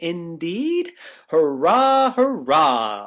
— Indeed ? Hurrah ! hurrah